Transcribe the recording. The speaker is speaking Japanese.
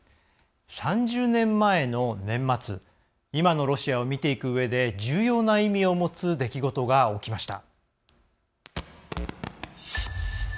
３０年前の年末今のロシアを見ていくうえで重要な意味を持つ出来事が起きました。